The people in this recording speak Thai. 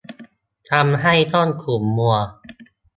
ทำให้ต้องขุ่นมัว